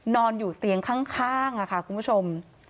นอนอยู่เตียงข้างค่ะคุณผู้ชม